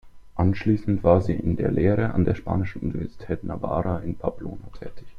Anschliessend war sie in der Lehre an der spanischen Universität Navarra in Pamplona tätig.